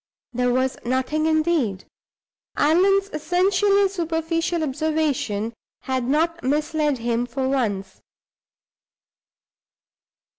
There was nothing, indeed; Allan's essentially superficial observation had not misled him for once.